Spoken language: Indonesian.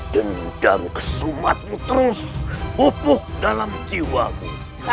dendam kesumatmu terus pupuk dalam jiwaku